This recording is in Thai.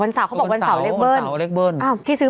เป็นการกระตุ้นการไหลเวียนของเลือด